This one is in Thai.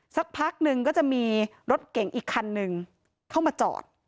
สักพักหนึ่งก็จะมีรถเก่งอีกคันนึงเข้ามาจอด